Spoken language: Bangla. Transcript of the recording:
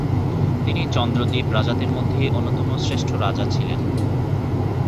তিনি চন্দ্রদ্বীপ রাজাদের মধ্যে অন্যতম শ্রেষ্ঠ রাজা ছিলেন।